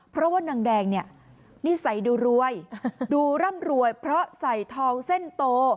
เพราะว่านางแดงเนี่ยนิสัยดูรวยดูร่ำรวยเพราะใส่ทองเส้นโต